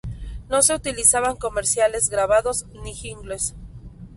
No se utilizaban comerciales grabados ni "jingles".